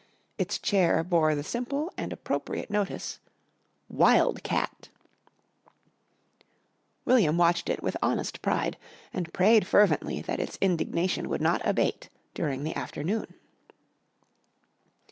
Its chair bore the simple and appropriate notice: ++| WILD CAT |++ William watched it with honest pride and prayed fervently that its indignation would not abate during the afternoon.